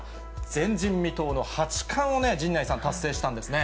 前人未到の八冠をね、陣内さん、達成したんですね。